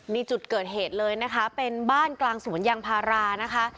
นี่จุดเกิดเหตุเลยนะคะเป็นบ้านกลางสวนยางพารานะคะ